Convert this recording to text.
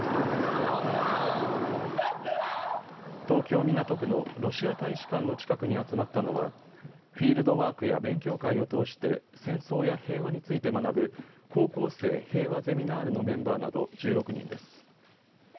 東京港区のロシア大使館の近くに集まったのはフィールドワークや勉強会を通して戦争や平和について学ぶ高校生平和ゼミナールのメンバーなど１６人です。